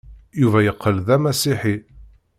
Yuba yeqqel d amasiḥi.